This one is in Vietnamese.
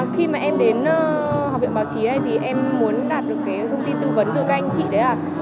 khi mà em đến học viện báo chí đây thì em muốn đạt được cái thông tin tư vấn từ các anh chị đấy ạ